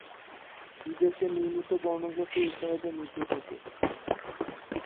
বিদেশে নির্মিত পর্নোগ্রাফি এই চাহিদা মিটিয়ে থাকে।